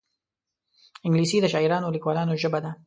انګلیسي د شاعرانو او لیکوالانو ژبه ده